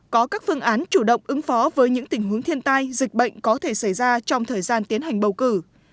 có các phương án chủ động ứng phó với những tình huống thiên tai dịch bệnh có thể xảy ra trong thời gian tiến hành bầu cử